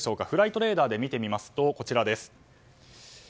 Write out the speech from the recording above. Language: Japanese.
フライトレーダーで見てみますとこちらです。